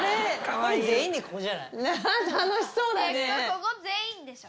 ここ全員でしょ。